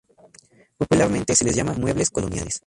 Popularmente se les llama muebles coloniales.